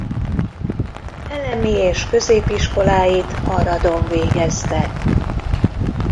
Elemi és középiskoláit Aradon végezte.